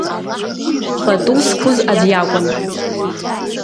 Пату зқәыз аӡә иакәын.